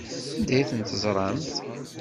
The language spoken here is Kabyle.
Anda ay ten-teẓramt?